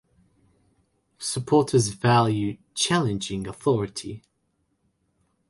Supporters value "challenging authority".